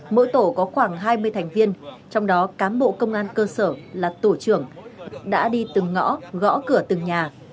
mỗi tổ có khoảng hai mươi thành viên trong đó cán bộ công an cơ sở là tổ trưởng đã đi từng ngõ gõ cửa từng nhà